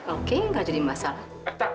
oke nggak jadi masalah